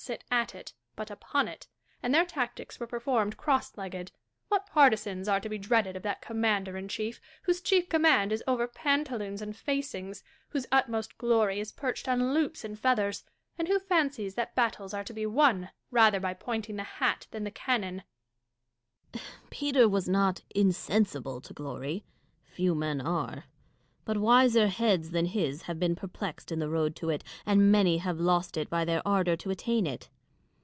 sit at it, but upon it ; and their tactics were performed cross legged. "What partisans are to be dreaded of that commander in chief whose chief command is over pantaloons and facings, whose utmost glory is perched on loops and feathers, and who fancies that battles are to be won rather by pointing the hat than the cannon % Dashkof. Peter was not insensible to glory ; few men are : but wiser heads than his have been perplexed in the road to it, and many have lost it by their ardour to attain it.